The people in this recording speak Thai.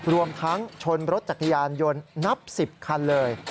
รวมทั้งชนรถจักรยานยนต์นับ๑๐คันเลย